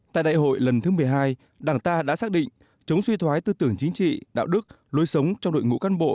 tại đại hội lần thứ một mươi hai đảng ta đã xác định chống suy thoái tư tưởng chính trị đạo đức lối sống trong đội ngũ cán bộ